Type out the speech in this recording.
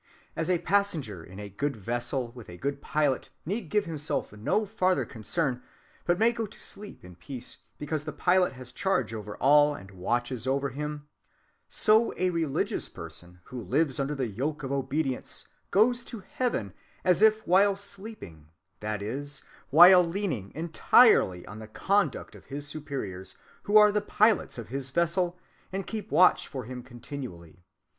As a passenger in a good vessel with a good pilot need give himself no farther concern, but may go to sleep in peace, because the pilot has charge over all, and 'watches for him'; so a religious person who lives under the yoke of obedience goes to heaven as if while sleeping, that is, while leaning entirely on the conduct of his Superiors, who are the pilots of his vessel, and keep watch for him continually.